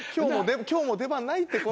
今日もう出番ないって。